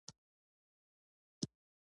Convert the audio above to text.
د امید ارزښت د ژوند قوت دی.